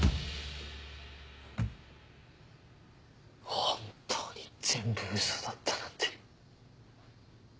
本当に全部ウソだったなんて。